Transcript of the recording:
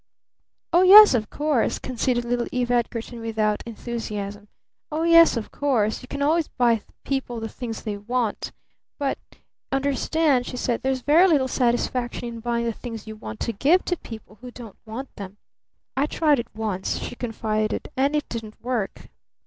"Oh, yes, of course," conceded little Eve Edgarton without enthusiasm. "Oh, yes, of course, you can always buy people the things they want. But understand," she said, "there's very little satisfaction in buying the things you want to give to people who don't want them. I tried it once," she confided, "and it didn't work.